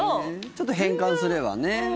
ちょっと変換すればね。